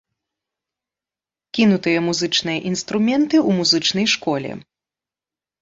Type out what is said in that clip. Кінутыя музычныя інструменты ў музычнай школе.